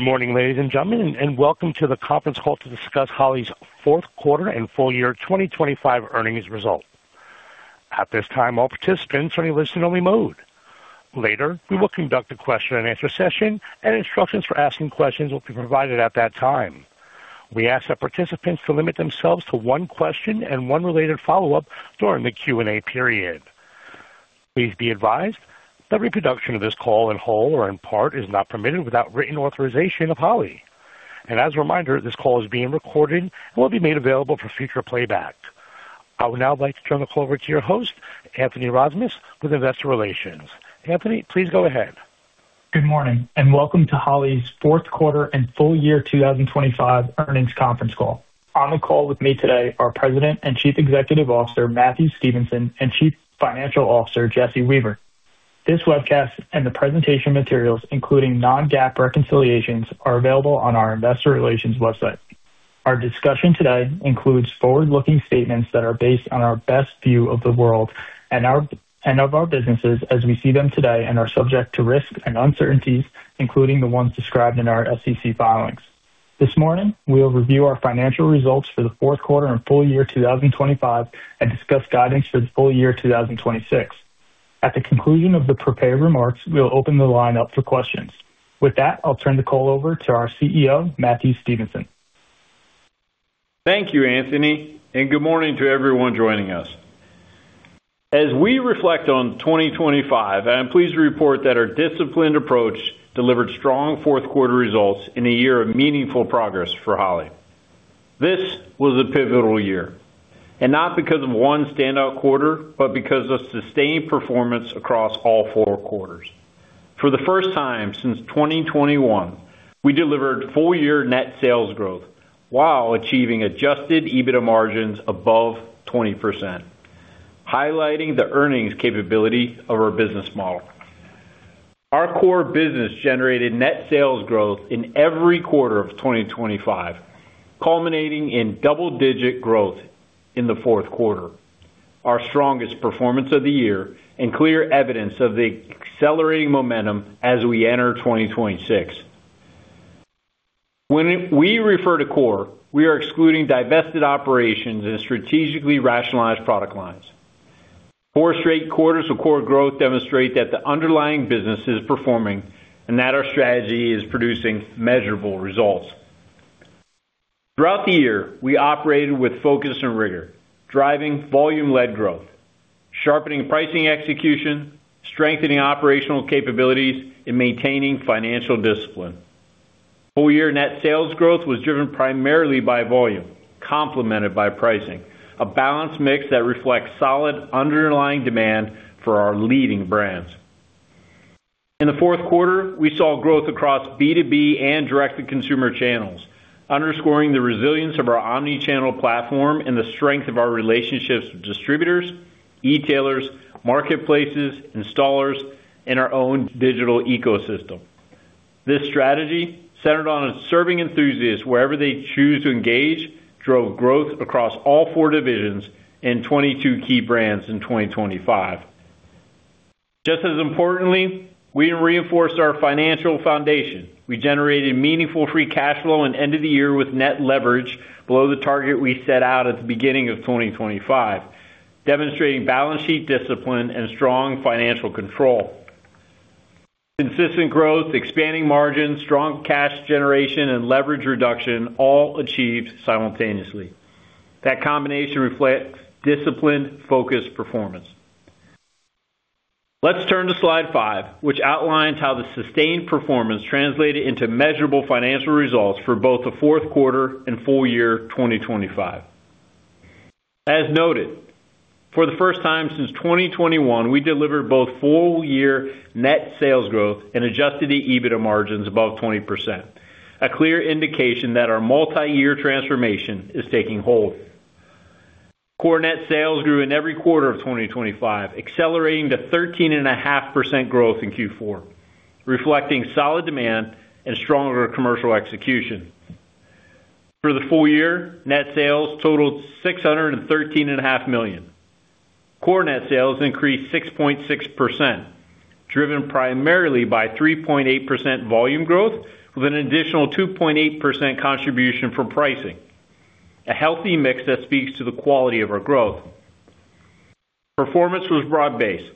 Good morning, ladies and gentlemen, and welcome to the conference call to discuss Holley's fourth quarter and full year 2025 earnings results. At this time, all participants are in listen only mode. Later, we will conduct a question and answer session, and instructions for asking questions will be provided at that time. We ask that participants to limit themselves to one question and one related follow-up during the Q&A period. Please be advised that reproduction of this call in whole or in part is not permitted without written authorization of Holley. As a reminder, this call is being recorded and will be made available for future playback. I would now like to turn the call over to your host, Anthony Rozmus, with Investor Relations. Anthony, please go ahead. Good morning, welcome to Holley's fourth quarter and full year 2025 earnings conference call. On the call with me today are President and Chief Executive Officer, Matthew Stevenson, and Chief Financial Officer, Jesse Weaver. This webcast and the presentation materials, including non-GAAP reconciliations, are available on our investor relations website. Our discussion today includes forward-looking statements that are based on our best view of the world and of our businesses as we see them today and are subject to risks and uncertainties, including the ones described in our SEC filings. This morning, we'll review our financial results for the fourth quarter and full year 2025 and discuss guidance for the full year 2026. At the conclusion of the prepared remarks, we'll open the line up for questions. With that, I'll turn the call over to our CEO, Matthew Stevenson. Thank you, Anthony. Good morning to everyone joining us. As we reflect on 2025, I am pleased to report that our disciplined approach delivered strong fourth quarter results in a year of meaningful progress for Holley. This was a pivotal year. Not because of one standout quarter, but because of sustained performance across all four quarters. For the first time since 2021, we delivered full year net sales growth while achieving adjusted EBITDA margins above 20%, highlighting the earnings capability of our business model. Our core business generated net sales growth in every quarter of 2025, culminating in double-digit growth in the fourth quarter, our strongest performance of the year, and clear evidence of the accelerating momentum as we enter 2026. When we refer to core, we are excluding divested operations and strategically rationalized product lines. 4 straight quarters of core growth demonstrate that the underlying business is performing and that our strategy is producing measurable results. Throughout the year, we operated with focus and rigor, driving volume-led growth, sharpening pricing execution, strengthening operational capabilities, and maintaining financial discipline. Full year net sales growth was driven primarily by volume, complemented by pricing, a balanced mix that reflects solid underlying demand for our leading brands. In the fourth quarter, we saw growth across B2B and direct-to-consumer channels, underscoring the resilience of our omni-channel platform and the strength of our relationships with distributors, e-tailers, marketplaces, installers, and our own digital ecosystem. This strategy, centered on serving enthusiasts wherever they choose to engage, drove growth across all four divisions and 22 key brands in 2025. Just as importantly, we reinforced our financial foundation. We generated meaningful free cash flow and end of the year with net leverage below the target we set out at the beginning of 2025, demonstrating balance sheet discipline and strong financial control. Consistent growth, expanding margins, strong cash generation, and leverage reduction all achieved simultaneously. That combination reflects disciplined focus performance. Let's turn to slide five, which outlines how the sustained performance translated into measurable financial results for both the fourth quarter and full year 2025. As noted, for the first time since 2021, we delivered both full year net sales growth and adjusted EBITDA margins above 20%. A clear indication that our multi-year transformation is taking hold. Core net sales grew in every quarter of 2025, accelerating to 13.5% growth in Q4, reflecting solid demand and stronger commercial execution. For the full year, net sales totaled $613.5 million. Core net sales increased 6.6%, driven primarily by 3.8% volume growth, with an additional 2.8% contribution from pricing. A healthy mix that speaks to the quality of our growth. Performance was broad-based,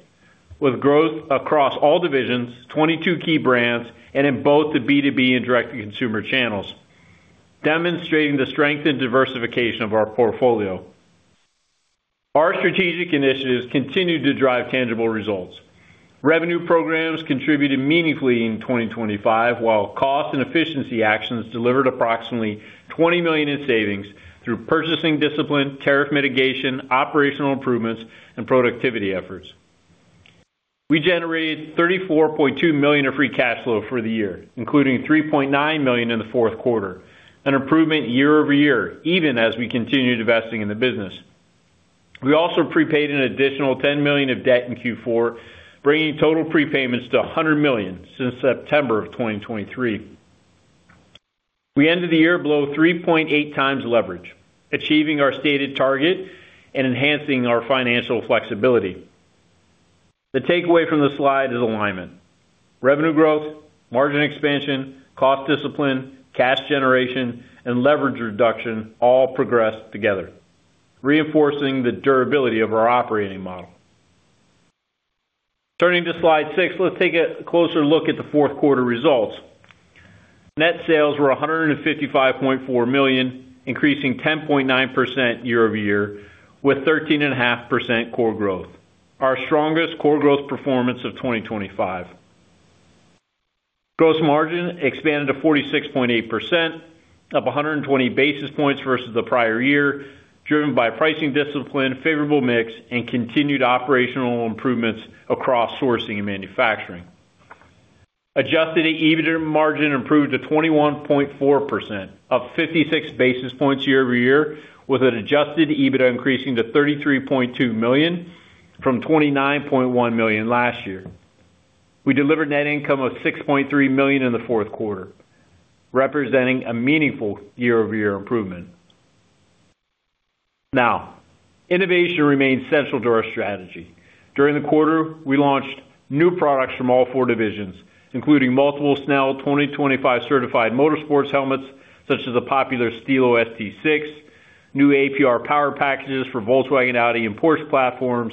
with growth across all divisions, 22 key brands and in both the B2B and direct-to-consumer channels, demonstrating the strength and diversification of our portfolio. Our strategic initiatives continued to drive tangible results. Revenue programs contributed meaningfully in 2025, while cost and efficiency actions delivered approximately $20 million in savings through purchasing discipline, tariff mitigation, operational improvements, and productivity efforts. We generated $34.2 million of free cash flow for the year, including $3.9 million in the fourth quarter, an improvement year-over-year even as we continued investing in the business. We also prepaid an additional $10 million of debt in Q4, bringing total prepayments to $100 million since September of 2023. We ended the year below 3.8x leverage, achieving our stated target and enhancing our financial flexibility. The takeaway from this slide is alignment. Revenue growth, margin expansion, cost discipline, cash generation, and leverage reduction all progress together, reinforcing the durability of our operating model. Turning to slide 6, let's take a closer look at the fourth quarter results. Net sales were $155.4 million, increasing 10.9% year-over-year, with 13.5% core growth, our strongest core growth performance of 2025. Gross margin expanded to 46.8%, up 120 basis points versus the prior year, driven by pricing discipline, favorable mix, and continued operational improvements across sourcing and manufacturing. Adjusted EBIT margin improved to 21.4%, up 56 basis points year-over-year, with an adjusted EBITDA increasing to $33.2 million from $29.1 million last year. We delivered net income of $6.3 million in the fourth quarter, representing a meaningful year-over-year improvement. Now, innovation remains central to our strategy. During the quarter, we launched new products from all four divisions, including multiple Snell 2025 certified motorsports helmets, such as the popular Stilo ST6, new APR power packages for Volkswagen, Audi, and Porsche platforms,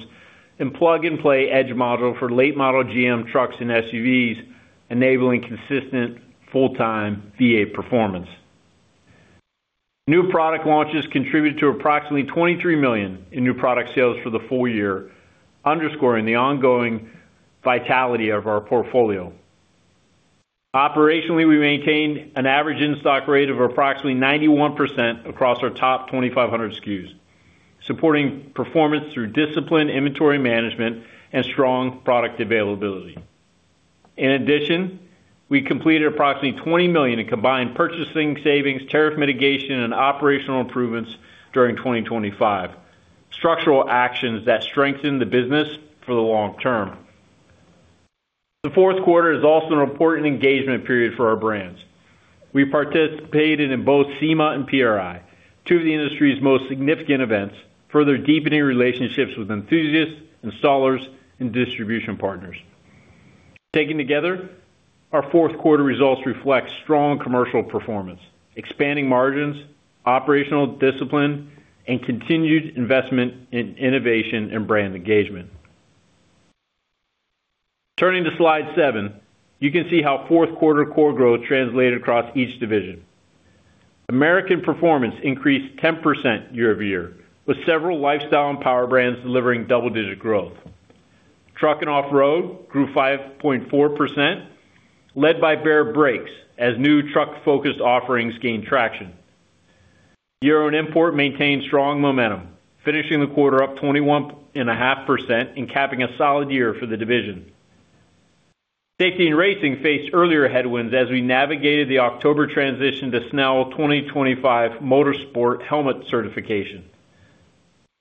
and plug-and-play Edge Model for late model GM trucks and SUVs, enabling consistent full-time V8 performance. New product launches contributed to approximately $23 million in new product sales for the full year, underscoring the ongoing vitality of our portfolio. Operationally, we maintained an average in-stock rate of approximately 91% across our top 2,500 SKUs, supporting performance through disciplined inventory management and strong product availability. We completed approximately $20 million in combined purchasing savings, tariff mitigation, and operational improvements during 2025, structural actions that strengthen the business for the long term. The fourth quarter is also an important engagement period for our brands. We participated in both SEMA and PRI, two of the industry's most significant events, further deepening relationships with enthusiasts, installers, and distribution partners. Taken together, our fourth quarter results reflect strong commercial performance, expanding margins, operational discipline, and continued investment in innovation and brand engagement. Turning to slide 7, you can see how fourth quarter core growth translated across each division. American Performance increased 10% year-over-year, with several lifestyle and power brands delivering double-digit growth. Truck & Off-Road grew 5.4%, led by Baer Brakes as new truck-focused offerings gained traction. Euro & Import maintained strong momentum, finishing the quarter up 21.5% and capping a solid year for the division. Safety & Racing faced earlier headwinds as we navigated the October transition to Snell 2025 motorsport helmet certification.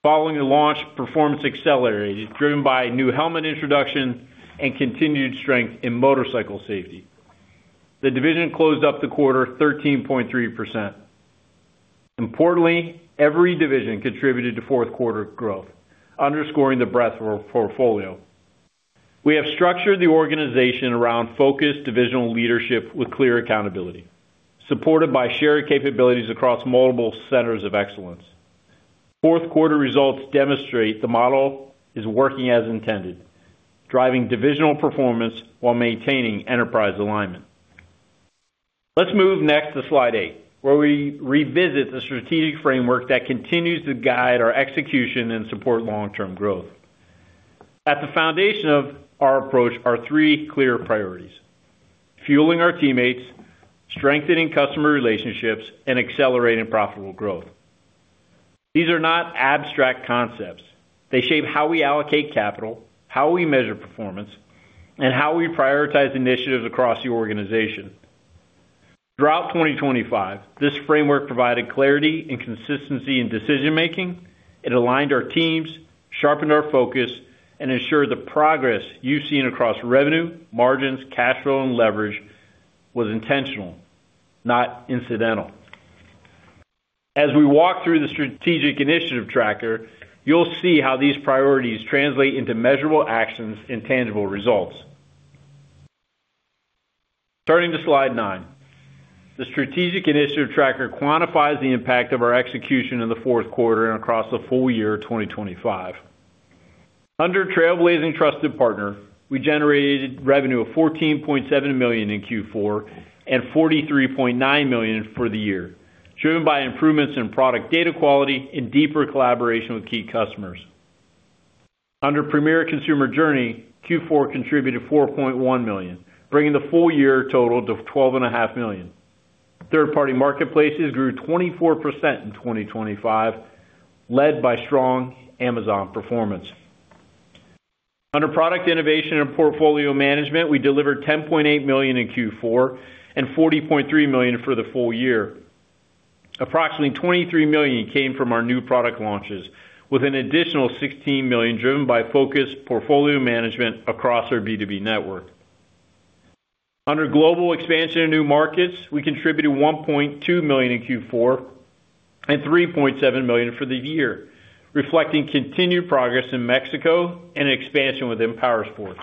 Following the launch, performance accelerated, driven by new helmet introduction and continued strength in motorcycle safety. The division closed up the quarter 13.3%. Importantly, every division contributed to fourth quarter growth, underscoring the breadth of our portfolio. We have structured the organization around focused divisional leadership with clear accountability, supported by shared capabilities across multiple centers of excellence. Fourth quarter results demonstrate the model is working as intended, driving divisional performance while maintaining enterprise alignment. Let's move next to slide 8, where we revisit the strategic framework that continues to guide our execution and support long-term growth. At the foundation of our approach are three clear priorities: fueling our teammates, strengthening customer relationships, and accelerating profitable growth. These are not abstract concepts. They shape how we allocate capital, how we measure performance, and how we prioritize initiatives across the organization. Throughout 2025, this framework provided clarity and consistency in decision-making. It aligned our teams, sharpened our focus, and ensured the progress you've seen across revenue, margins, cash flow, and leverage was intentional, not incidental. As we walk through the strategic initiative tracker, you'll see how these priorities translate into measurable actions and tangible results. Turning to slide 9. The strategic initiative tracker quantifies the impact of our execution in the fourth quarter and across the full year 2025. Under Trailblazing Trusted Partner, we generated revenue of $14.7 million in Q4 and $43.9 million for the year, driven by improvements in product data quality and deeper collaboration with key customers. Under Premier Consumer Journey, Q4 contributed $4.1 million, bringing the full year total to $12,500,000. Third-party marketplaces grew 24% in 2025, led by strong Amazon performance. Under Product Innovation and Portfolio Management, we delivered $10.8 million in Q4 and $40.3 million for the full year. Approximately $23 million came from our new product launches, with an additional $16 million driven by focused portfolio management across our B2B network. Under global expansion in new markets, we contributed $1.2 million in Q4 and $3.7 million for the year, reflecting continued progress in Mexico and expansion within Powersports.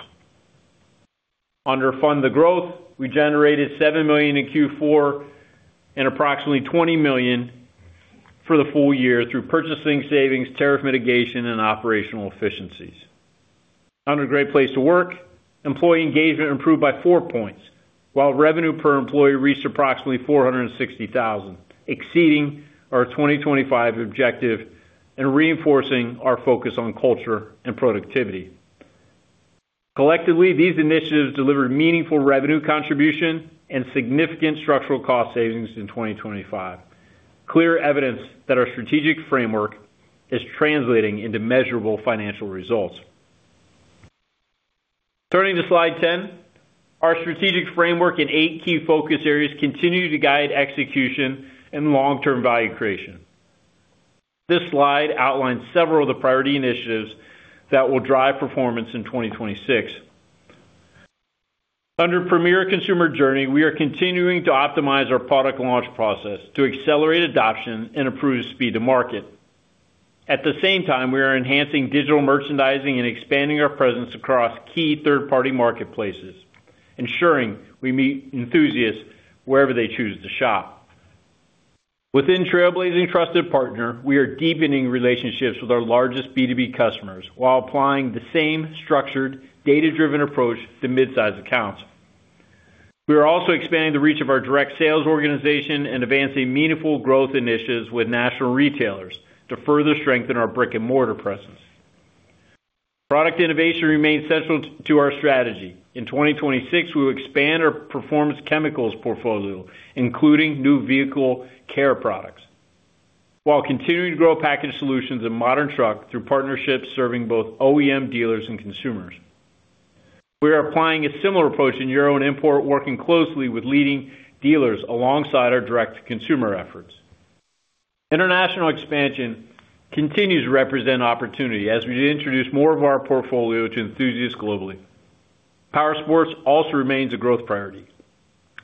Under Fund the Growth, we generated $7 million in Q4 and approximately $20 million for the full year through purchasing savings, tariff mitigation, and operational efficiencies. Under A Great Place to Work, employee engagement improved by 4 points, while revenue per employee reached approximately $460,000, exceeding our 2025 objective and reinforcing our focus on culture and productivity. Collectively, these initiatives delivered meaningful revenue contribution and significant structural cost savings in 2025. Clear evidence that our strategic framework is translating into measurable financial results. Turning to slide 10. Our strategic framework in 8 key focus areas continue to guide execution and long-term value creation. This slide outlines several of the priority initiatives that will drive performance in 2026. Under Premier Consumer Journey, we are continuing to optimize our product launch process to accelerate adoption and improve speed to market. At the same time, we are enhancing digital merchandising and expanding our presence across key third-party marketplaces, ensuring we meet enthusiasts wherever they choose to shop. Within Trailblazing Trusted Partner, we are deepening relationships with our largest B2B customers while applying the same structured, data-driven approach to midsize accounts. We are also expanding the reach of our direct sales organization and advancing meaningful growth initiatives with national retailers to further strengthen our brick-and-mortar presence. Product innovation remains central to our strategy. In 2026, we will expand our performance chemicals portfolio, including new vehicle care products, while continuing to grow packaged solutions in Modern Truck through partnerships serving both OEM dealers and consumers. We are applying a similar approach in Euro and Import, working closely with leading dealers alongside our direct-to-consumer efforts. International expansion continues to represent opportunity as we introduce more of our portfolio to enthusiasts globally. Powersports also remains a growth priority,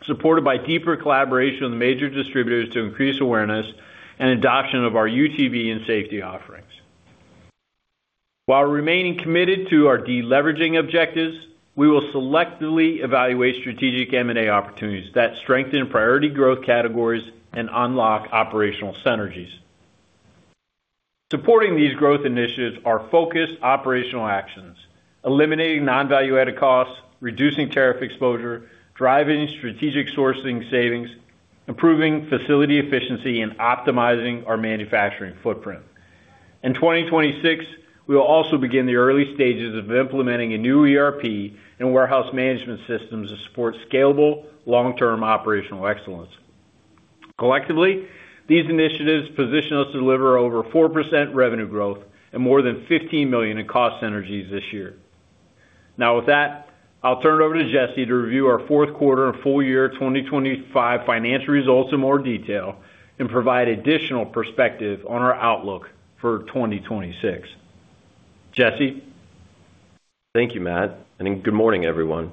supported by deeper collaboration with major distributors to increase awareness and adoption of our UTV and safety offerings. While remaining committed to our deleveraging objectives, we will selectively evaluate strategic M&A opportunities that strengthen priority growth categories and unlock operational synergies. Supporting these growth initiatives are focused operational actions, eliminating non-value-added costs, reducing tariff exposure, driving strategic sourcing savings, improving facility efficiency, and optimizing our manufacturing footprint. In 2026, we will also begin the early stages of implementing a new ERP and warehouse management systems to support scalable, long-term operational excellence. Collectively, these initiatives position us to deliver over 4% revenue growth and more than $15 million in cost synergies this year. Now, with that, I'll turn it over to Jesse to review our fourth quarter and full year 2025 financial results in more detail and provide additional perspective on our outlook for 2026. Jesse? Thank you, Matt. Good morning, everyone.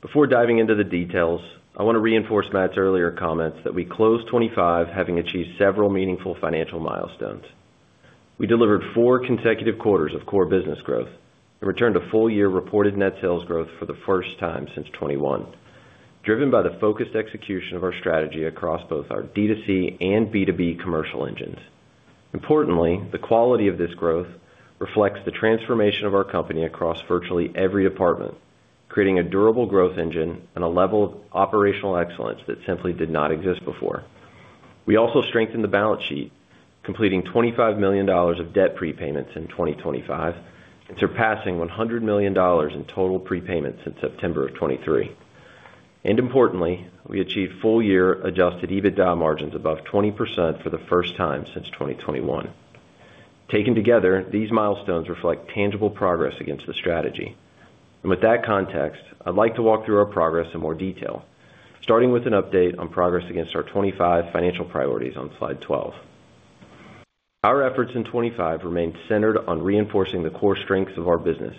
Before diving into the details, I want to reinforce Matt's earlier comments that we closed 2025 having achieved several meaningful financial milestones. We delivered four consecutive quarters of core business growth and returned to full-year reported net sales growth for the first time since 2021, driven by the focused execution of our strategy across both our D2C and B2B commercial engines. Importantly, the quality of this growth reflects the transformation of our company across virtually every department, creating a durable growth engine and a level of operational excellence that simply did not exist before. We also strengthened the balance sheet, completing $25 million of debt prepayments in 2025 and surpassing $100 million in total prepayments since September of 2023. Importantly, we achieved full year adjusted EBITDA margins above 20% for the first time since 2021. Taken together, these milestones reflect tangible progress against the strategy. With that context, I'd like to walk through our progress in more detail, starting with an update on progress against our 2025 financial priorities on slide 12. Our efforts in 2025 remained centered on reinforcing the core strengths of our business,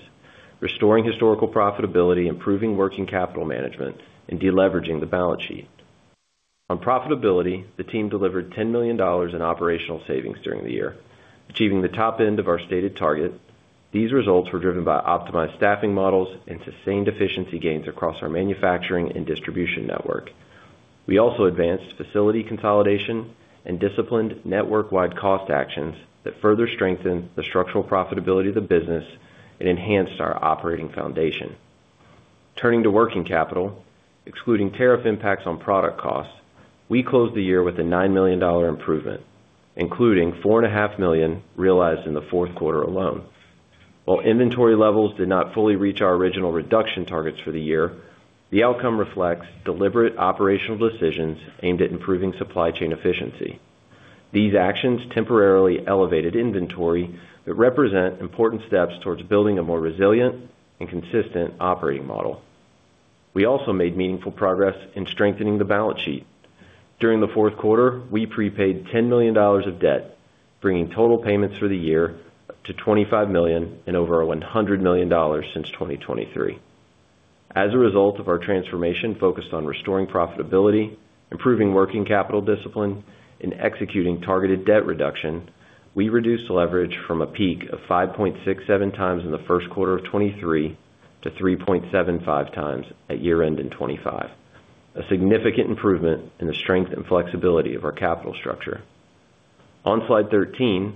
restoring historical profitability, improving working capital management, and deleveraging the balance sheet. On profitability, the team delivered $10 million in operational savings during the year, achieving the top end of our stated target. These results were driven by optimized staffing models and sustained efficiency gains across our manufacturing and distribution network. We also advanced facility consolidation and disciplined network-wide cost actions that further strengthened the structural profitability of the business and enhanced our operating foundation. Turning to working capital, excluding tariff impacts on product costs, we closed the year with a $9 million improvement, including four and a half million realized in the fourth quarter alone. While inventory levels did not fully reach our original reduction targets for the year, the outcome reflects deliberate operational decisions aimed at improving supply chain efficiency. These actions temporarily elevated inventory that represent important steps towards building a more resilient and consistent operating model. We also made meaningful progress in strengthening the balance sheet. During the fourth quarter, we prepaid $10 million of debt, bringing total payments for the year up to $25 million and over $100 million since 2023. As a result of our transformation focused on restoring profitability, improving working capital discipline, and executing targeted debt reduction, we reduced the leverage from a peak of 5.67x in the first quarter of 2023 to 3.75x at year-end in 2025. A significant improvement in the strength and flexibility of our capital structure. On slide 13,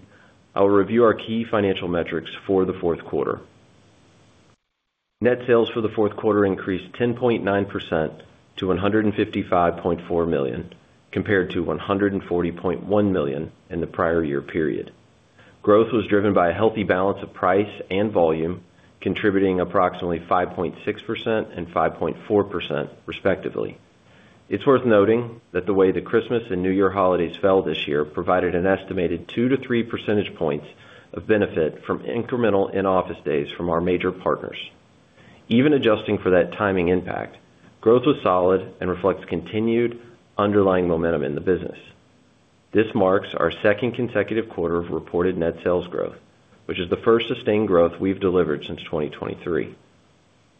I will review our key financial metrics for the fourth quarter. Net sales for the fourth quarter increased 10.9% to $155.4 million, compared to $140.1 million in the prior year period. Growth was driven by a healthy balance of price and volume, contributing approximately 5.6% and 5.4% respectively. It's worth noting that the way the Christmas and New Year holidays fell this year provided an estimated 2 to 3 percentage points of benefit from incremental in-office days from our major partners. Even adjusting for that timing impact, growth was solid and reflects continued underlying momentum in the business. This marks our second consecutive quarter of reported net sales growth, which is the first sustained growth we've delivered since 2023.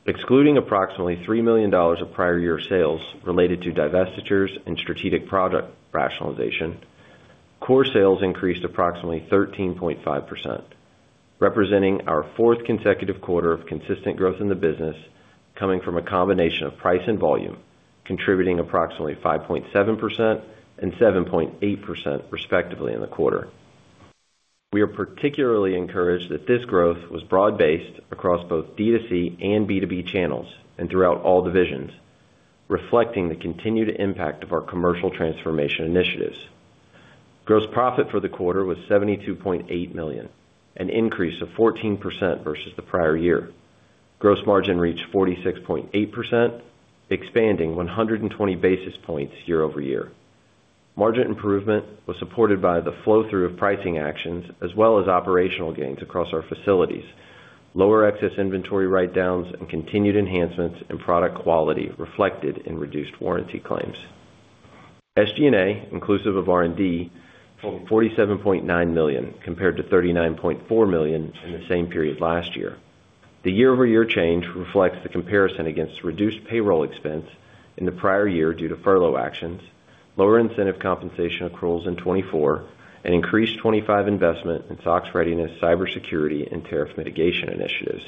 Excluding approximately $3 million of prior year sales related to divestitures and strategic product rationalization, core sales increased approximately 13.5%, representing our fourth consecutive quarter of consistent growth in the business coming from a combination of price and volume, contributing approximately 5.7% and 7.8% respectively in the quarter. We are particularly encouraged that this growth was broad-based across both D2C and B2B channels and throughout all divisions, reflecting the continued impact of our commercial transformation initiatives. Gross profit for the quarter was $72.8 million, an increase of 14% versus the prior year. Gross margin reached 46.8%, expanding 120 basis points year-over-year. Margin improvement was supported by the flow-through of pricing actions as well as operational gains across our facilities, lower excess inventory write-downs, and continued enhancements in product quality reflected in reduced warranty claims. SG&A, inclusive of R&D, totaled $47.9 million compared to $39.4 million in the same period last year. The year-over-year change reflects the comparison against reduced payroll expense in the prior year due to furlough actions, lower incentive compensation accruals in 2024, and increased 2025 investment in SOX readiness, cybersecurity, and tariff mitigation initiatives.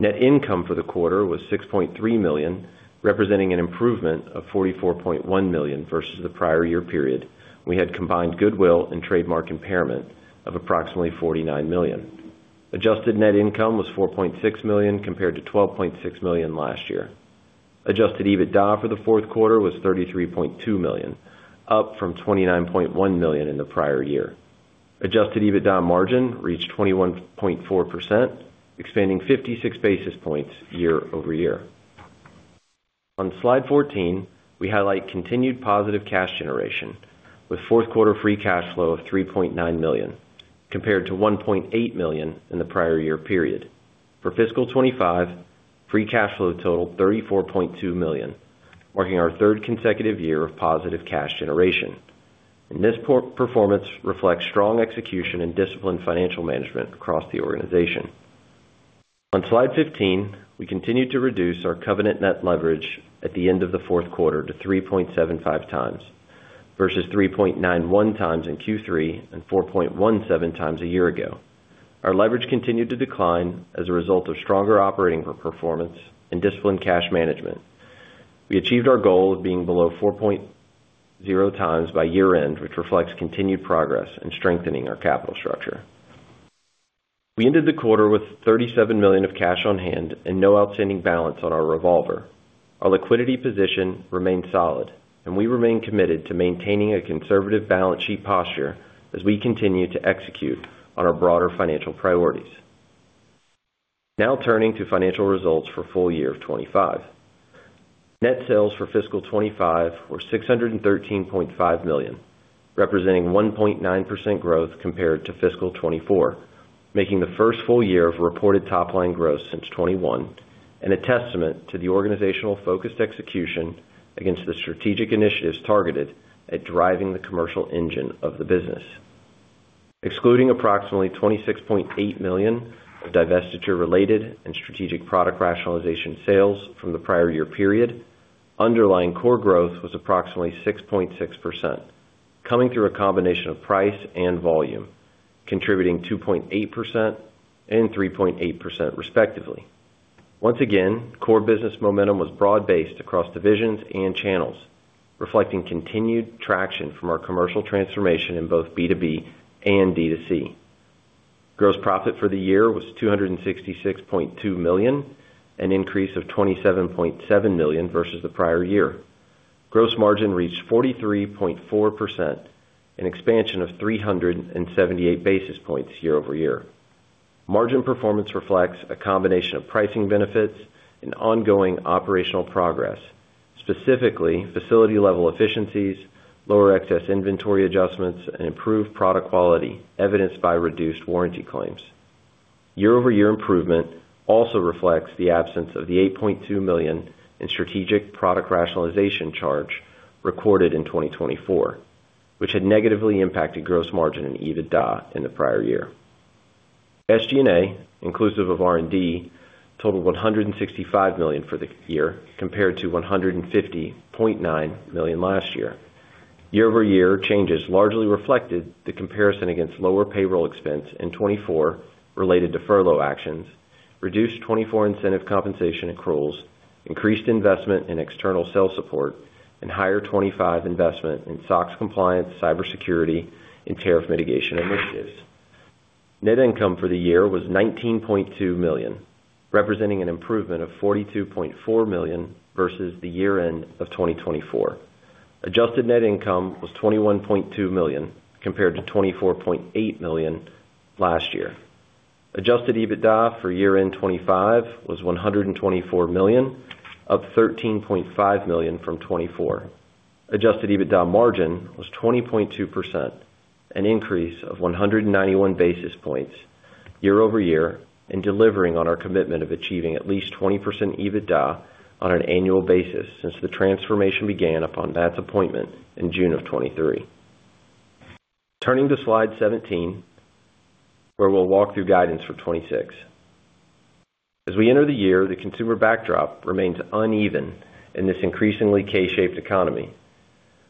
Net income for the quarter was $6.3 million, representing an improvement of $44.1 million versus the prior year period when we had combined goodwill and trademark impairment of approximately $49 million. Adjusted net income was $4.6 million compared to $12.6 million last year. Adjusted EBITDA for the fourth quarter was $33.2 million, up from $29.1 million in the prior year. Adjusted EBITDA margin reached 21.4%, expanding 56 basis points year-over-year. On slide 14, we highlight continued positive cash generation with fourth quarter free cash flow of $3.9 million compared to $1.8 million in the prior year period. For fiscal 2025, free cash flow totaled $34.2 million, marking our third consecutive year of positive cash generation. This performance reflects strong execution and disciplined financial management across the organization. On slide 15, we continue to reduce our covenant net leverage at the end of the fourth quarter to 3.75x versus 3.91x in Q3 and 4.17x a year ago. Our leverage continued to decline as a result of stronger operating performance and disciplined cash management. We achieved our goal of being below 4.0x by year-end, which reflects continued progress in strengthening our capital structure. We ended the quarter with $37 million of cash on hand and no outstanding balance on our revolver. Our liquidity position remains solid, and we remain committed to maintaining a conservative balance sheet posture as we continue to execute on our broader financial priorities. Turning to financial results for full year of 2025. Net sales for fiscal 2025 were $613.5 million, representing 1.9% growth compared to fiscal 2024, making the first full year of reported top-line growth since 2021 and a testament to the organizational focused execution against the strategic initiatives targeted at driving the commercial engine of the business. Excluding approximately $26.8 million of divestiture-related and strategic product rationalization sales from the prior year period, underlying core growth was approximately 6.6%, coming through a combination of price and volume, contributing 2.8% and 3.8% respectively. Once again, core business momentum was broad-based across divisions and channels, reflecting continued traction from our commercial transformation in both B2B and D2C. Gross profit for the year was $266.2 million, an increase of $27.7 million versus the prior year. Gross margin reached 43.4%, an expansion of 378 basis points year-over-year. Margin performance reflects a combination of pricing benefits and ongoing operational progress, specifically facility level efficiencies, lower excess inventory adjustments, and improved product quality evidenced by reduced warranty claims. Year-over-year improvement also reflects the absence of the $8.2 million in strategic product rationalization charge recorded in 2024, which had negatively impacted gross margin and EBITDA in the prior year. SG&A, inclusive of R&D, totaled $165 million for the year compared to $150.9 million last year. Year-over-year changes largely reflected the comparison against lower payroll expense in 2024 related to furlough actions, reduced 2024 incentive compensation accruals, increased investment in external sales support, and higher 2025 investment in SOX compliance, cybersecurity, and tariff mitigation initiatives. Net income for the year was $19.2 million, representing an improvement of $42.4 million versus the year-end of 2024. Adjusted net income was $21.2 million compared to $24.8 million last year. Adjusted EBITDA for year-end 2025 was $124 million, up $13.5 million from 2024. Adjusted EBITDA margin was 20.2%, an increase of 191 basis points year-over-year, and delivering on our commitment of achieving at least 20% EBITDA on an annual basis since the transformation began upon Matt's appointment in June of 2023. Turning to slide 17, where we'll walk through guidance for 2026. As we enter the year, the consumer backdrop remains uneven in this increasingly K-shaped economy.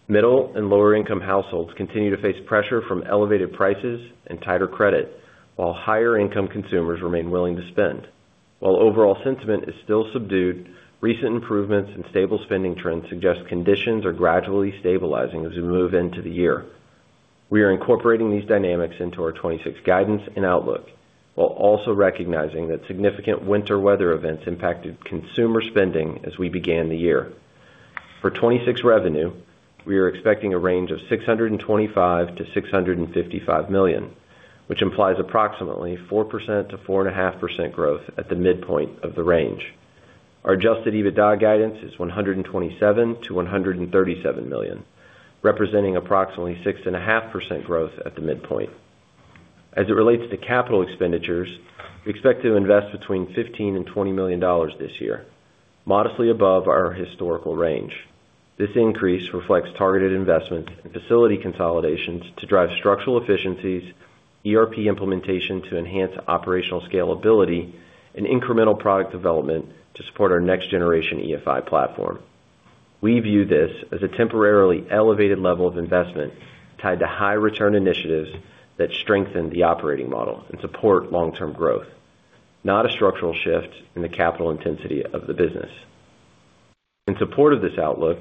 Middle and lower income households continue to face pressure from elevated prices and tighter credit, while higher income consumers remain willing to spend. While overall sentiment is still subdued, recent improvements in stable spending trends suggest conditions are gradually stabilizing as we move into the year. We are incorporating these dynamics into our 2026 guidance and outlook, while also recognizing that significant winter weather events impacted consumer spending as we began the year. For 2026 revenue, we are expecting a range of $625 million-$655 million, which implies approximately 4%-4.5% growth at the midpoint of the range. Our adjusted EBITDA guidance is $127 million-$137 million, representing approximately 6.5% growth at the midpoint. As it relates to capital expenditures, we expect to invest between $15 million-$20 million this year, modestly above our historical range. This increase reflects targeted investments in facility consolidations to drive structural efficiencies, ERP implementation to enhance operational scalability, and incremental product development to support our next generation EFI platform. We view this as a temporarily elevated level of investment tied to high return initiatives that strengthen the operating model and support long-term growth, not a structural shift in the capital intensity of the business. In support of this outlook,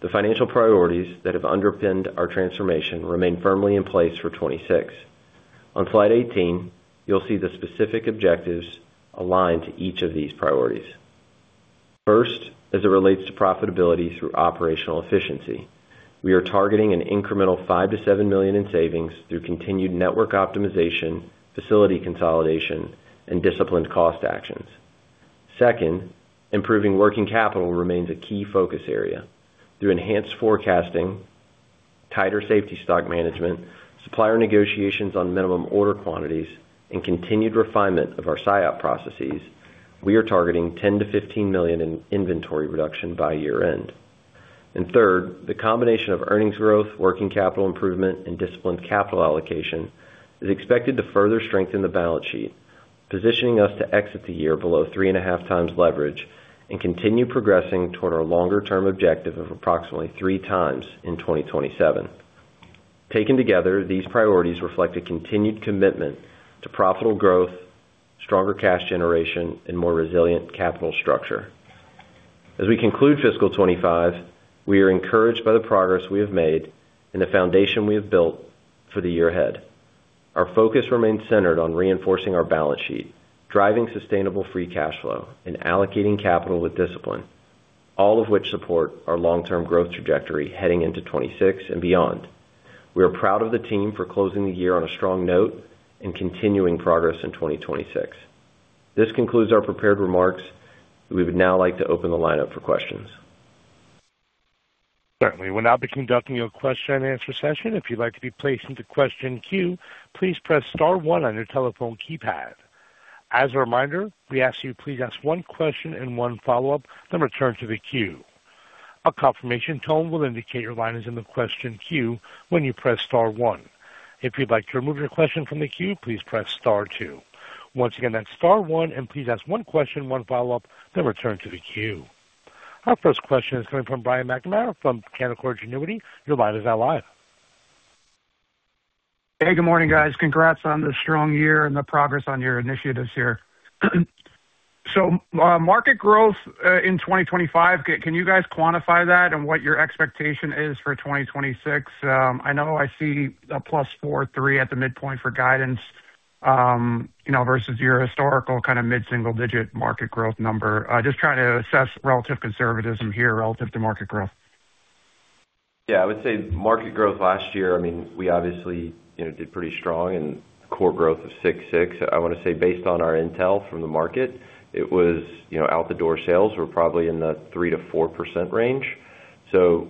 the financial priorities that have underpinned our transformation remain firmly in place for 2026. On slide 18, you'll see the specific objectives aligned to each of these priorities. First, as it relates to profitability through operational efficiency, we are targeting an incremental $5 million-$7 million in savings through continued network optimization, facility consolidation, and disciplined cost actions. Second, improving working capital remains a key focus area. Through enhanced forecasting, tighter safety stock management, supplier negotiations on minimum order quantities, and continued refinement of our SIOP processes, we are targeting $10 million-$15 million in inventory reduction by year-end. Third, the combination of earnings growth, working capital improvement, and disciplined capital allocation is expected to further strengthen the balance sheet, positioning us to exit the year below three and a half times leverage and continue progressing toward our longer-term objective of approximately 3x in 2027. Taken together, these priorities reflect a continued commitment to profitable growth, stronger cash generation, and more resilient capital structure. As we conclude fiscal 2025, we are encouraged by the progress we have made and the foundation we have built for the year ahead. Our focus remains centered on reinforcing our balance sheet, driving sustainable free cash flow, and allocating capital with discipline, all of which support our long-term growth trajectory heading into 2026 and beyond. We are proud of the team for closing the year on a strong note and continuing progress in 2026. This concludes our prepared remarks. We would now like to open the lineup for questions. Certainly. We'll now be conducting your question and answer session. If you'd like to be placed into question queue, please press star one on your telephone keypad. As a reminder, we ask you please ask one question and one follow-up, then return to the queue. A confirmation tone will indicate your line is in the question queue when you press star one. If you'd like to remove your question from the queue, please press star two. Once again, that's star one, and please ask one question, one follow-up, then return to the queue. Our first question is coming from Brian McNamara from Canaccord Genuity. Your line is now live. Hey, good morning, guys. Congrats on the strong year and the progress on your initiatives here. Market growth in 2025, can you guys quantify that and what your expectation is for 2026? I know I see a +4.3% at the midpoint for guidance, you know, versus your historical kind of mid-single digit market growth number. Trying to assess relative conservatism here relative to market growth. Yeah, I would say market growth last year, I mean, we obviously, you know, did pretty strong and core growth of 6.6%. I wanna say based on our intel from the market, it was, you know, out the door sales were probably in the 3%-4% range.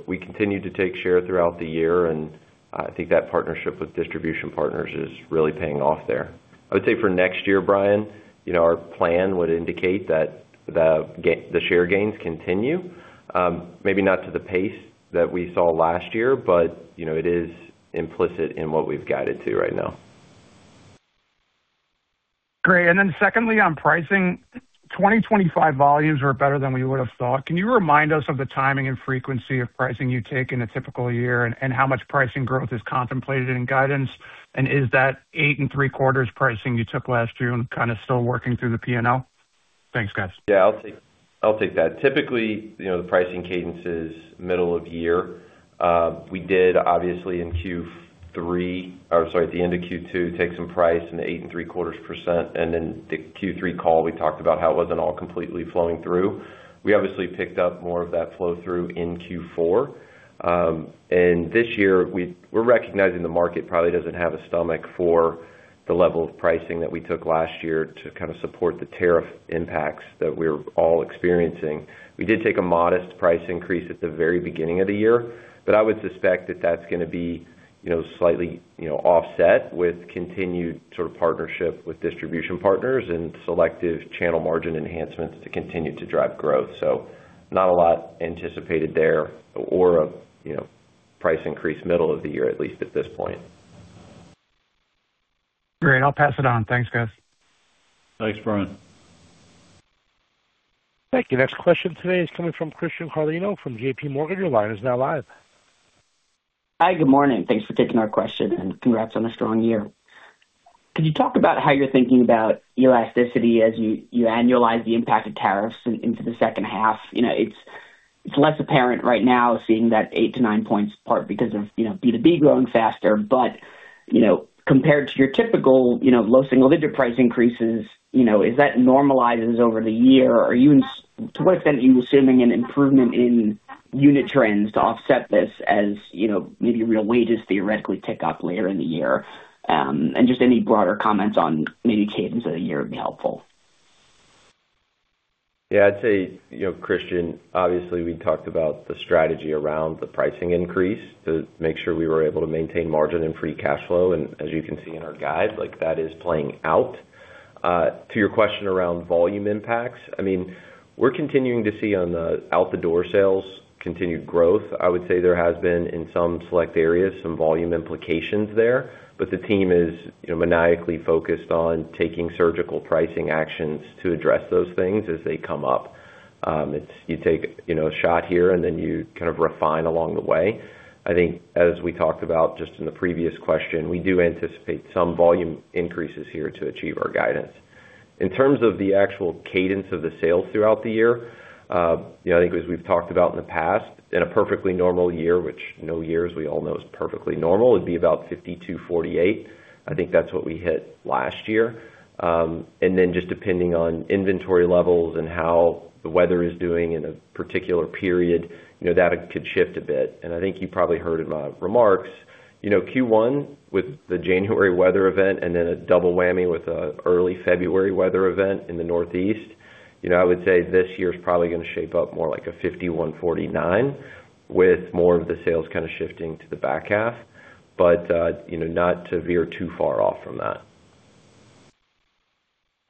We continued to take share throughout the year, and I think that partnership with distribution partners is really paying off there. I would say for next year, Brian, you know, our plan would indicate that the share gains continue, maybe not to the pace that we saw last year, but, you know, it is implicit in what we've guided to right now. Great. Secondly, on pricing, 2025 volumes were better than we would've thought. Can you remind us of the timing and frequency of pricing you take in a typical year and how much pricing growth is contemplated in guidance? Is that 8.75% pricing you took last year and kinda still working through the P&L? Thanks, guys. I'll take that. Typically, you know, the pricing cadence is middle of year. We did obviously at the end of Q2, take some price in the 8.75%. The Q3 call, we talked about how it wasn't all completely flowing through. We obviously picked up more of that flow through in Q4. This year we're recognizing the market probably doesn't have a stomach for the level of pricing that we took last year to kind of support the tariff impacts that we're all experiencing. We did take a modest price increase at the very beginning of the year, but I would suspect that that's gonna be, you know, slightly, you know, offset with continued sort of partnership with distribution partners and selective channel margin enhancements to continue to drive growth. Not a lot anticipated there or a, you know, price increase middle of the year, at least at this point. Great. I'll pass it on. Thanks, guys. Thanks, Brian. Thank you. Next question today is coming from Christian Carlino from JPMorgan. Your line is now live. Hi, good morning. Thanks for taking our question, congrats on a strong year. Could you talk about how you're thinking about elasticity as you annualize the impact of tariffs into the H2? You know, it's less apparent right now seeing that 8-9 points part because of, you know, B2B growing faster. Compared to your typical, you know, low single-digit price increases, you know, as that normalizes over the year, to what extent are you assuming an improvement in unit trends to offset this as, you know, maybe real wages theoretically tick up later in the year? Just any broader comments on maybe cadence of the year would be helpful. Yeah. I'd say, you know, Christian, obviously, we talked about the strategy around the pricing increase to make sure we were able to maintain margin and free cash flow. As you can see in our guide, like, that is playing out. To your question around volume impacts, I mean, we're continuing to see on the out the door sales continued growth. I would say there has been, in some select areas, some volume implications there, but the team is, you know, maniacally focused on taking surgical pricing actions to address those things as they come up. You take, you know, a shot here, and then you kind of refine along the way. I think as we talked about just in the previous question, we do anticipate some volume increases here to achieve our guidance. In terms of the actual cadence of the sales throughout the year, you know, I think as we've talked about in the past, in a perfectly normal year, which no years we all know is perfectly normal, it'd be about 52%-48%. I think that's what we hit last year. Depending on inventory levels and how the weather is doing in a particular period, you know, that could shift a bit. I think you probably heard in my remarks, you know, Q1 with the January weather event and then a double whammy with a early February weather event in the Northeast. You know, I would say this year is probably gonna shape up more like a 51%-49%, with more of the sales kind of shifting to the back half, you know, not to veer too far off from that.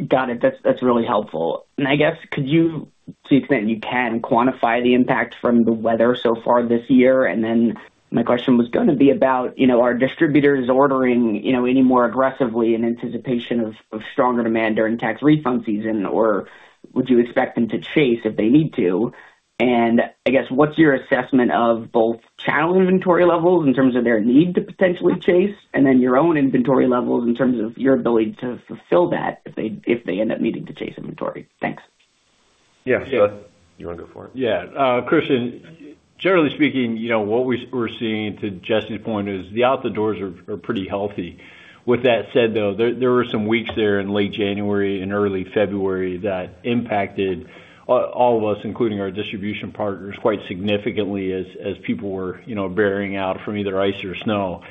Got it. That's really helpful. I guess could you, to the extent you can, quantify the impact from the weather so far this year? My question was gonna be about, you know, are distributors ordering, you know, any more aggressively in anticipation of stronger demand during tax refund season, or would you expect them to chase if they need to? I guess, what's your assessment of both channel inventory levels in terms of their need to potentially chase, and then your own inventory levels in terms of your ability to fulfill that if they end up needing to chase inventory? Thanks. Yeah. You wanna go for it? Christian, generally speaking, you know, what we're seeing to Jesse's point is the out the doors are pretty healthy. With that said, though, there were some weeks there in late January and early February that impacted all of us, including our distribution partners, quite significantly as people were, you know, bearing out from either ice or snow.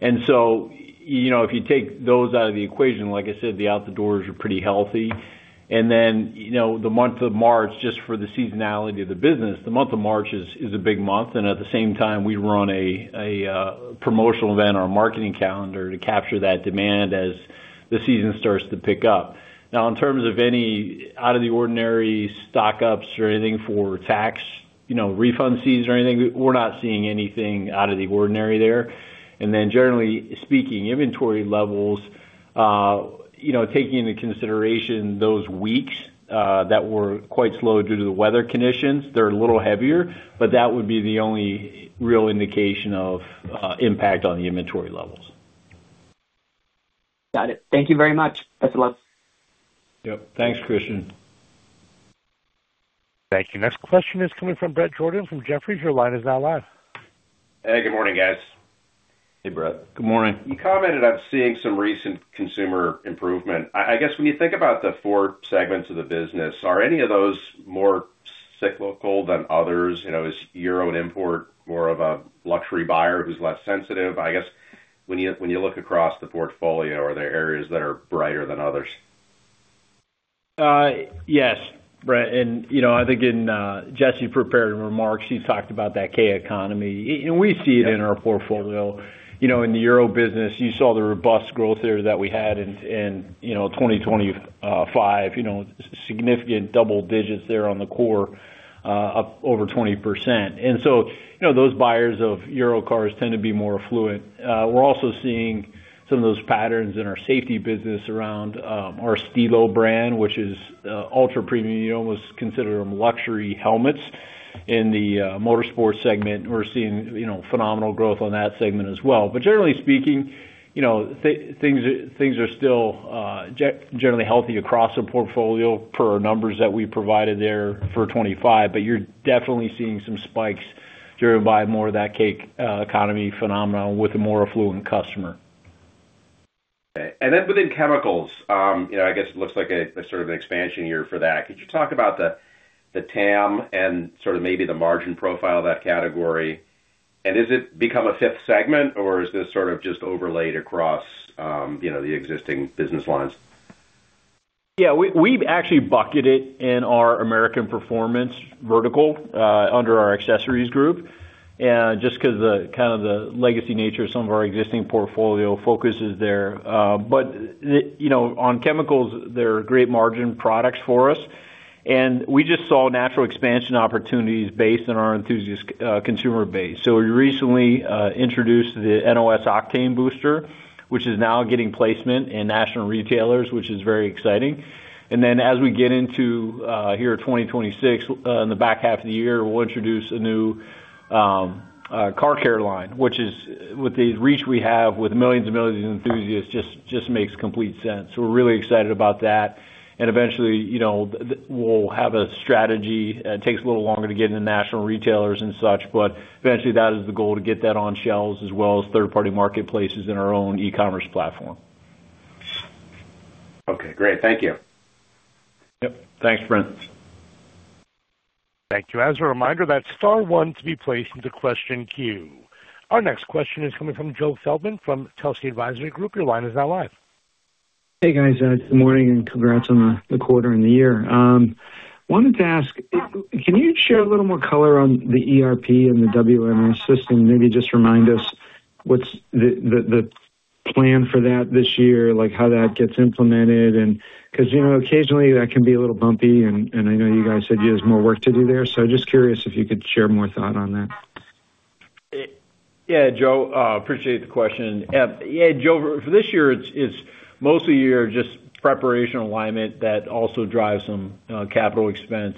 You know, if you take those out of the equation, like I said, the out the doors are pretty healthy. You know, the month of March, just for the seasonality of the business, the month of March is a big month, and at the same time we run a promotional event on our marketing calendar to capture that demand as the season starts to pick up. In terms of any out of the ordinary stock-ups or anything for tax, you know, refund fees or anything, we're not seeing anything out of the ordinary there. Generally speaking, inventory levels, you know, taking into consideration those weeks that were quite slow due to the weather conditions, they're a little heavier, but that would be the only real indication of impact on the inventory levels. Got it. Thank you very much. That's the last. Yep. Thanks, Christian. Thank you. Next question is coming from Bret Jordan from Jefferies. Your line is now live. Hey, good morning, guys. Hey, Bret. Good morning. You commented on seeing some recent consumer improvement. I guess when you think about the four segments of the business, are any of those more cyclical than others? You know, is Euro & Import more of a luxury buyer who's less sensitive? I guess when you look across the portfolio, are there areas that are brighter than others? Yes, Bret. You know, I think in Jesse prepared remarks, he talked about that K-shaped economy. We see it in our portfolio. You know, in the Euro business, you saw the robust growth there that we had in 2025, you know, significant double digits there on the core, up over 20%. You know, those buyers of Eurocars tend to be more affluent. We're also seeing some of those patterns in our safety business around our Stilo, which is ultra-premium, you know, was considered luxury helmets in the motorsports segment. We're seeing, you know, phenomenal growth on that segment as well. Generally speaking, you know, things are still generally healthy across the portfolio per our numbers that we provided there for 2025, but you're definitely seeing some spikes driven by more of that K economy phenomenon with a more affluent customer. Okay. Then within chemicals, you know, I guess it looks like a sort of an expansion year for that. Could you talk about the TAM and sort of maybe the margin profile of that category? Has it become a fifth segment or is this sort of just overlaid across, you know, the existing business lines? Yeah. We've actually bucketed in our American Performance vertical under our accessories group. Just 'cause the kind of the legacy nature of some of our existing portfolio focus is there. You know, on chemicals, they're great margin products for us. We just saw natural expansion opportunities based on our enthusiast consumer base. We recently introduced the NOS Octane Booster, which is now getting placement in national retailers, which is very exciting. As we get into here at 2026, in the back half of the year, we'll introduce a new car care line, which is with the reach we have with millions and millions of enthusiasts, just makes complete sense. We're really excited about that. Eventually, you know, we'll have a strategy. It takes a little longer to get into national retailers and such, but eventually that is the goal to get that on shelves as well as third-party marketplaces in our own e-commerce platform. Okay, great. Thank you. Yep. Thanks, Bret. Thank you. As a reminder, that's star one to be placed into question queue. Our next question is coming from Joe Feldman from Telsey Advisory Group. Your line is now live. Hey, guys. Good morning and congrats on the quarter and the year. Wanted to ask, can you share a little more color on the ERP and the WMS system? Maybe just remind us what's the plan for that this year, like how that gets implemented and. You know, occasionally that can be a little bumpy and I know you guys said there's more work to do there. Just curious if you could share more thought on that. Yeah, Joe, appreciate the question. Yeah, Joe, for this year it's most of the year just preparation alignment that also drives some capital expense,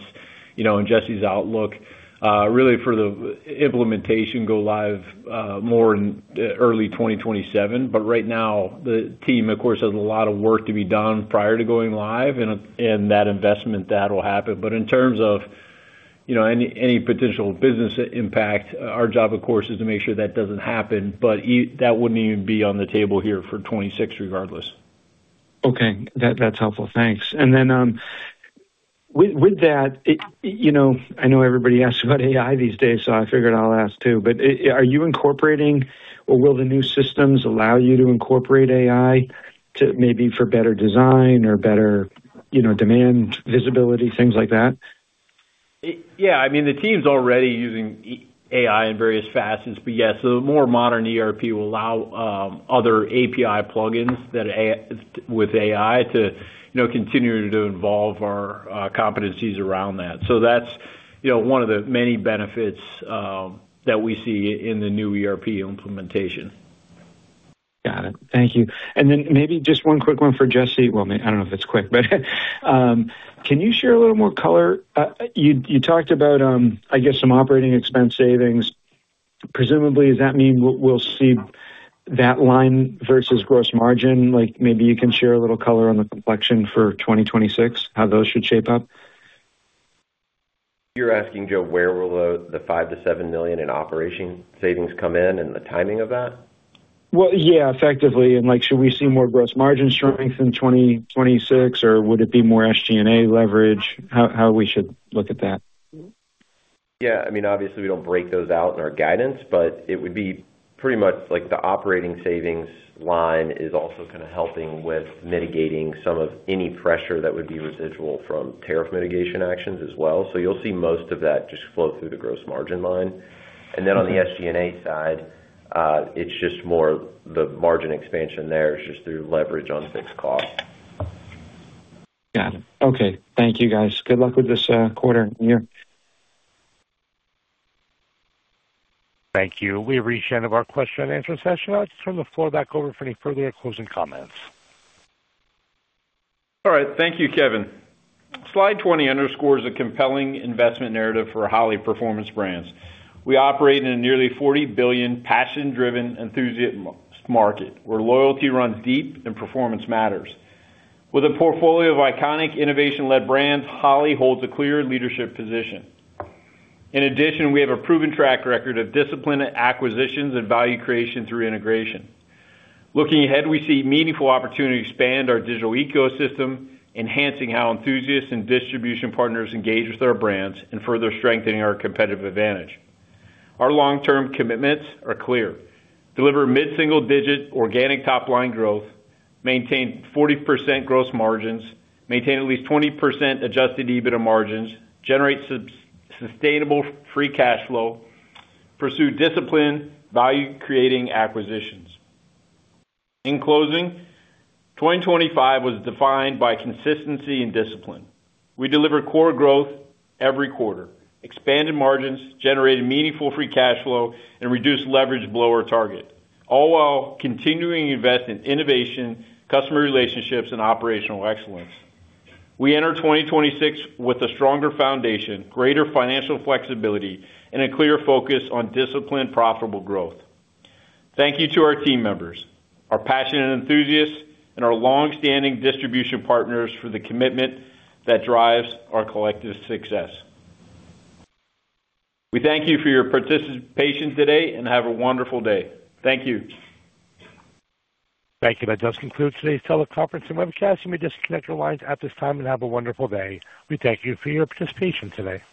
you know, in Jesse's outlook. Really for the implementation go live, more in early 2027. Right now the team of course has a lot of work to be done prior to going live and that investment that will happen. In terms of, you know, any potential business impact, our job of course is to make sure that doesn't happen, but that wouldn't even be on the table here for 2026 regardless. Okay. That's helpful. Thanks. With that, you know, I know everybody asks about AI these days, so I figured I'll ask too, but are you incorporating or will the new systems allow you to incorporate AI to maybe for better design or better, you know, demand visibility, things like that? Yeah. I mean, the team's already using AI in various facets. Yeah, so the more modern ERP will allow other API plugins that with AI to, you know, continue to involve our competencies around that. That's, you know, one of the many benefits that we see in the new ERP implementation. Got it. Thank you. Then maybe just one quick one for Jesse. Well, I don't know if it's quick, but, can you share a little more color? You talked about, I guess some operating expense savings. Presumably, does that mean we'll see that line versus gross margin? Like, maybe you can share a little color on the complexion for 2026, how those should shape up. You're asking, Joe, where will the $5 million-$7 million in operation savings come in and the timing of that? Well, yeah, effectively. Like, should we see more gross margin strength in 2026 or would it be more SG&A leverage? How we should look at that? I mean, obviously we don't break those out in our guidance, but it would be pretty much like the operating savings line is also kind of helping with mitigating some of any pressure that would be residual from tariff mitigation actions as well. You'll see most of that just flow through the gross margin line. On the SG&A side, it's just more the margin expansion there is just through leverage on fixed cost. Got it. Okay. Thank you, guys. Good luck with this quarter and year. Thank you. We've reached the end of our question and answer session. I'll just turn the floor back over for any further closing comments. All right. Thank you, Kevin. Slide 20 underscores a compelling investment narrative for Holley Performance Brands. We operate in a nearly $40 billion passion driven enthusiast market where loyalty runs deep and performance matters. With a portfolio of iconic innovation led brands, Holley holds a clear leadership position. We have a proven track record of disciplined acquisitions and value creation through integration. Looking ahead, we see meaningful opportunity to expand our digital ecosystem, enhancing how enthusiasts and distribution partners engage with our brands and further strengthening our competitive advantage. Our long-term commitments are clear. Deliver mid-single digit organic top line growth, maintain 40% gross margins, maintain at least 20% adjusted EBITDA margins, generate sustainable free cash flow, pursue disciplined value creating acquisitions. 2025 was defined by consistency and discipline. We delivered core growth every quarter, expanded margins, generated meaningful free cash flow, and reduced leverage below our target, all while continuing to invest in innovation, customer relationships and operational excellence. We enter 2026 with a stronger foundation, greater financial flexibility, and a clear focus on disciplined, profitable growth. Thank you to our team members, our passionate enthusiasts, and our longstanding distribution partners for the commitment that drives our collective success. We thank you for your participation today and have a wonderful day. Thank you. Thank you. That does conclude today's teleconference and webcast. You may disconnect your lines at this time and have a wonderful day. We thank you for your participation today.